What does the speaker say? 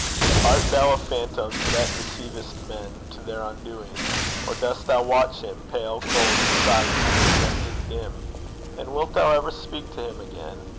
Art thou a phantom that deceivest men To their undoing? or dost thou watch him Pale, cold, and silent in his dungeon dim? And wilt thou ever speak to him again?